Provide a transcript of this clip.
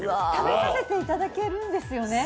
食べさせていただけるんですよね。